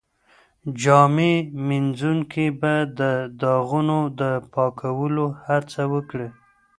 جامي مینځونکی به د داغونو د پاکولو هڅه وکړي.